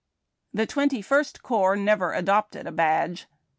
The Twenty First Corps never adopted a badge.